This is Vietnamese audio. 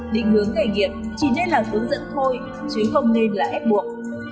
định hướng nghề nghiệp chỉ nên là hướng dẫn thôi chứ không nên là ép buộc